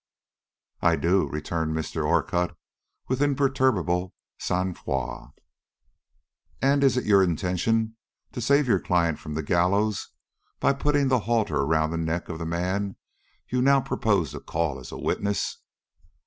"I do," returned Mr. Orcutt, with imperturbable sang froid. "And is it your intention to save your client from the gallows by putting the halter around the neck of the man you now propose to call as a witness?"